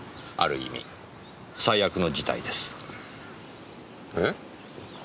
ある意味最悪の事態です。え？